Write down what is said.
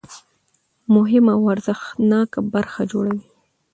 مهمه او ارزښتناکه برخه جوړوي.